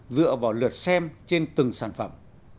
dựa vào lượt xem trên từng sản phẩm